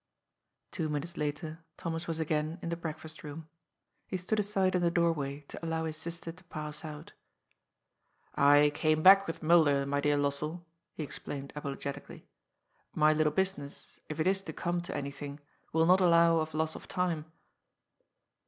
Two minutes later Thomas was again in the breakfast room. He stood aside in the doorway to allow his sister to pass out. ^^ I came back with Mulder, my dear Lossell," he ex plained apologetically. ^^ My little business, if it is to come to anything, will not allow of loss of time."